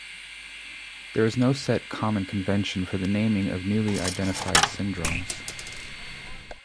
There is no set common convention for the naming of newly identified syndromes.